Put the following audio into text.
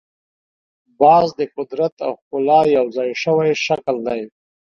باز د قدرت او ښکلا یو ځای شوی شکل دی